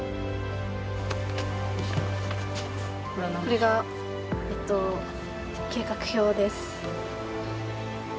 これがえっと計画表です。